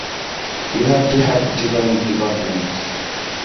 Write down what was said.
You have to have different departments.